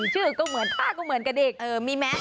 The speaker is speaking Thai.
ชื่อก็เหมือนท่าก็เหมือนกันอีก